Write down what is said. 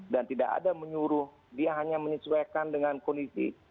dan tidak ada menyuruh dia hanya menyesuaikan dengan kondisi